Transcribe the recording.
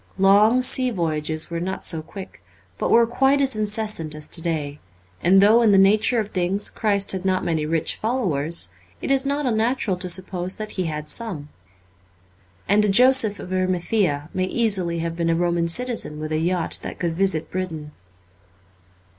Long sea voyages were not so quick, but were quite as incessant as to day ; and though in the nature of things Christ had not many rich followers, it is not unnatural to suppose that He had some. And a Joseph of Arimathea may easily have been a Roman citizen with a yacht that could visit Britain.